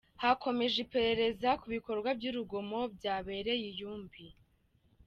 Hakomeje iperereza ku bikorwa by’urugomo byabereye i Yumbi.